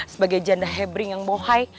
sebagai janda hebring yang mohai